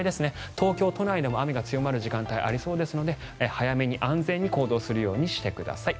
東京でも雨が強まるところがあるので早めに安全に行動するようにしてください。